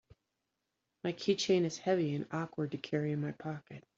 My keychain is heavy and awkward to carry in my pocket.